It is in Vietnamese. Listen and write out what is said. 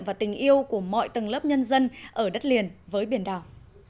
và tình yêu của mọi tầng lớp nhân dân ở đất liền với biển đảo